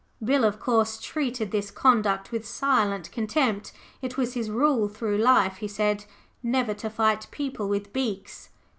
Bill, of course, treated this conduct with silent contempt. It was his rule through life, he said, never to fight people with beaks.